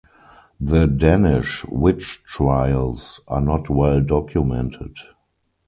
The Danish witch trials are not well documented.